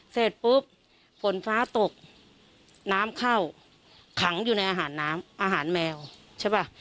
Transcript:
เสร็จปุ๊บฝนฟ้าตกน้ำเข้าขังอยู่ในอาหารน้ำอาหารแมวใช่ป่ะ